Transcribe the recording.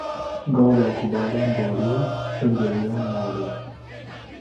Gava ku baran bariya, ew reviyan malê.